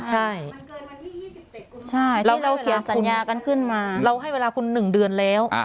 ใช่เราเขียนสัญญากันขึ้นมาเราให้เวลาคุณ๑เดือนแล้ว